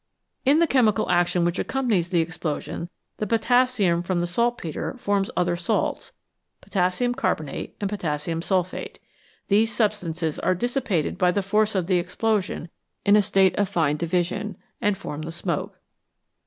In the chemical action which accompanies the explosion the potassium from the saltpetre forms other salts, potassium carbonate and potassium sulphate. These 172 EXPLOSIONS AND EXPLOSIVES substances are dissipated by the force of the explosion in a state of fine division, and form the smoke.